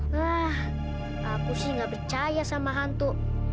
hah aku sih gak percaya sama hantu